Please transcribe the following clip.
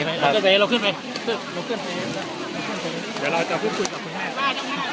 เดี๋ยวเราจะพูดคุยกับคุณแม่ว่า